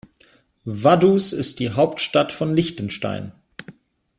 Vaduz ist die Hauptstadt von Liechtenstein.